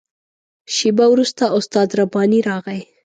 شېبه وروسته استاد رباني راغی.